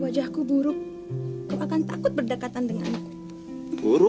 wajahku buruk kau akan takut berdekatan dengan buruk